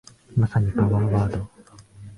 まさにパワーワード